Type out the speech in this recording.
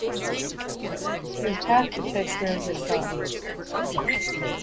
You have to take care of yourself.